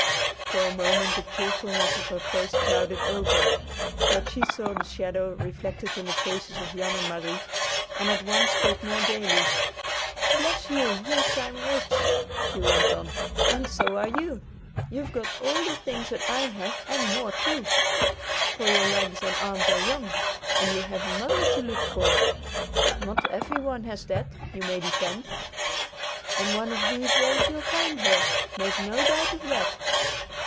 For a moment the cheerfulness of her face clouded over; but she saw the shadow reflected in the faces of Jan and Marie, and at once spoke more gayly. "Bless you, yes, I'm rich," she went on; "and so are you! You've got all the things that I have and more, too, for you legs and arms are young, and you have a mother to look for. Not every one has that, you may depend! And one of these days you'll find her. Make no doubt of that."